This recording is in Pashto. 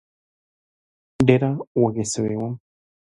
ډېره وږې سوې وم